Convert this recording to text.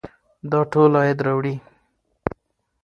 دا ټول عاید راوړي.